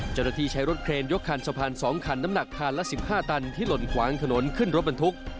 เจ้าหน้าที่ใช้รถเครนยกคันสะพาน๒คันน้ำหนักคันละ๑๕ตันที่หล่นขวางถนนขึ้นรถบรรทุก